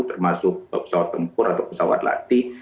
termasuk pesawat tempur atau pesawat latih